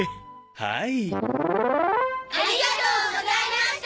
はい！